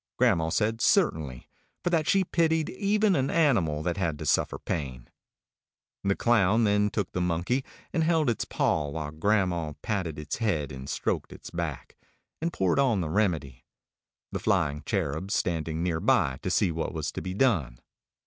Grandma said, certainly, for that she pitied even an animal that had to suffer pain. The Clown then took the monkey, and held its paw while grandma patted its head and stroked its back, and poured on the Remedy, the Flying Cherub standing near by to see what was to be done.